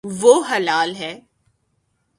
وہ ہلال ہے